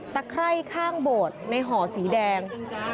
ตะไคร่ข้างโบดในห่อสีแดง